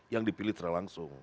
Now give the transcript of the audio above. yang dipilih terlangsung